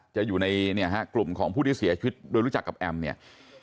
จะอยู่ในเนี่ยฮะกลุ่มของผู้ที่เสียชีวิตโดยรู้จักกับแอมเนี่ย